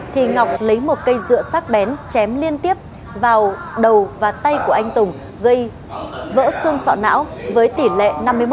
thì ngọc lấy một cây dựa sát bén chém liên tiếp vào đầu và tay của anh tùng gây vỡ xương sọ não với tỷ lệ năm mươi một